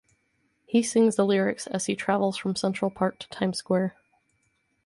He sings the lyrics as he travels from Central Park to Times Square.